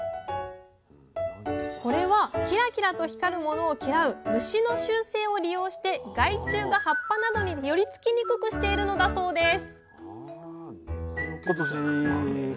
これはキラキラと光る物を嫌う虫の習性を利用して害虫が葉っぱなどに寄りつきにくくしているのだそうです